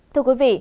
thưa quý vị